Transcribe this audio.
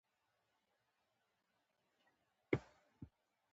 یوازې یې دا وېره درک کړې چې رول کې ځواک موجود دی.